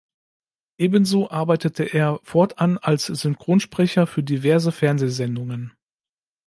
Ebenso arbeitete er fortan als Synchronsprecher für diverse Fernsehsendungen.